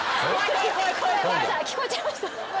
聞こえちゃいました？